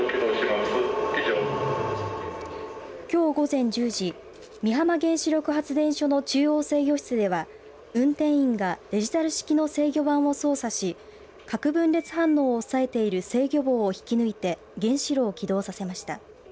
きょう、午前１０時美浜原子力発電所の中央制御室では運転員がデジタル式の制御盤を操作し核分裂反応を抑えている制御棒を引き抜いて原子炉を起動させました。